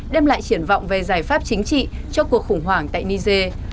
đem lại triển vọng về giải pháp chính trị cho cuộc khủng hoảng tại niger